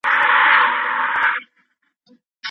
محمدصادق ژړک د کوټي د ښار نوميالي افغان لېکوال دی.